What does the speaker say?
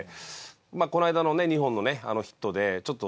まあこの間のね２本のあのヒットでちょっと